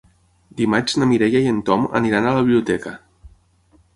Dimarts na Mireia i en Tom aniran a la biblioteca.